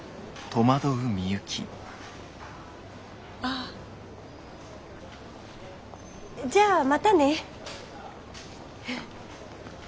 あじゃあまたね。